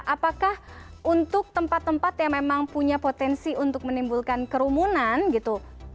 apakah untuk tempat tempat yang memang punya potensi untuk menimbulkan kerumunan gitu